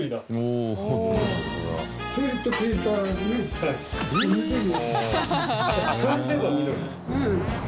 うん。